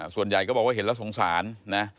ส่วนใหญ่ก็บอกว่าเห็นแล้วสงสารนะ